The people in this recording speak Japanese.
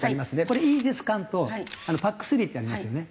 これイージス艦とＰＡＣ−３ってありますよね。